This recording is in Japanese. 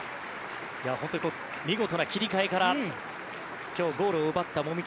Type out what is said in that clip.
本当に見事な切り替えから今日、ゴールを奪った籾木。